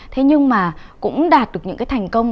thế nhưng mà cũng đạt được những cái thành công